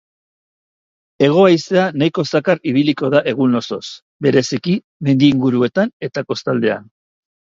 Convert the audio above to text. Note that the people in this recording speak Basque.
Hego-haizea nahiko zakar ibiliko da egun osoz, bereziki mendi inguruetan eta kostaldean.